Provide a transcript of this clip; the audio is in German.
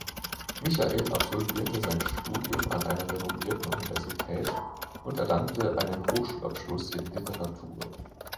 Michael absolvierte sein Studium an einer renommierten Universität und erlangte einen Hochschulabschluss in Literatur.